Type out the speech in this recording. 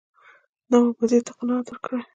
نواب وزیر ته قناعت ورکړي.